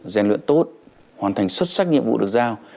gian luyện tốt hoàn thành xuất sắc nhiệm vụ được giao